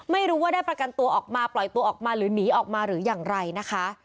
ไม่รู้ว่าได้ประกันตัวออกมาปล่อยตัวออกมาหรือหนีออกมาหรืออย่างไรนะคะ